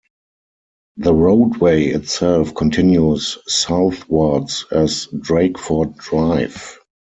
The roadway itself continues southwards as Drakeford Drive.